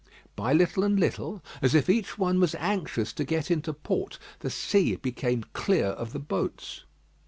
By little and little, as if each one was anxious to get into port, the sea became clear of the boats.